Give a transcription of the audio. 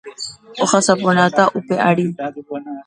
ohasaporãta upe ary